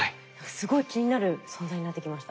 すごい気になる存在になってきました。